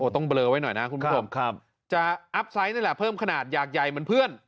ต้องเลอไว้หน่อยนะคุณผู้ชมจะอัพไซต์นี่แหละเพิ่มขนาดอยากใหญ่เหมือนเพื่อน